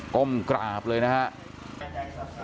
ก้มกราบเลยนะฮะ